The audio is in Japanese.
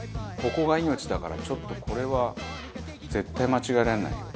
ここが命だからちょっとこれは絶対間違えられないよ。